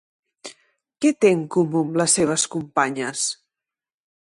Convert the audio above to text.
Què té en comú amb les seves companyes?